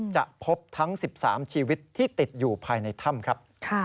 จะพบทั้ง๑๓ชีวิตที่ติดอยู่ภายในถ้ำครับ